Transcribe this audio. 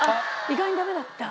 意外にダメだった。